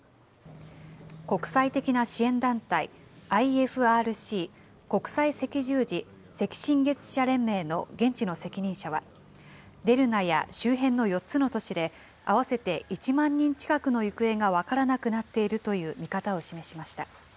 国際的な支援団体、ＩＦＲＣ・国際赤十字・赤新月社連盟の現地の責任者は、デルナや周辺の４つの都市で、合わせて１万人近くの行方が分からなくなっているという見方を示しました。